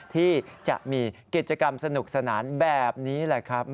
ที่จะมีกิจกรรมสนุกสนานแบบนี้แหละครับ